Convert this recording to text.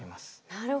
なるほど。